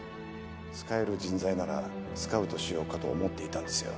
使える人材ならスカウトしようかと思っていたんですよ。